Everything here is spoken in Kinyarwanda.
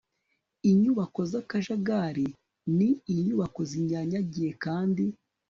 inyubako z'akajagari ni inyubako zinyanyagiye kandi